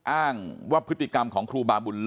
อ้างว่าพฤติกรรมของครูบาบุญเล